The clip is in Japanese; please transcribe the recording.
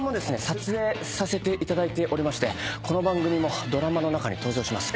撮影させていただいてましてこの番組もドラマの中に登場します。